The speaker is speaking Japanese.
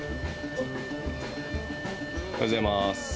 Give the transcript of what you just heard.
おはようございます。